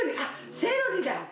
セロリだ！